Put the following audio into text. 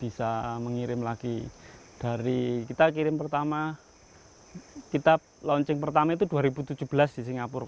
bisa mengirim lagi dari kita kirim pertama kita launching pertama itu dua ribu tujuh belas di singapura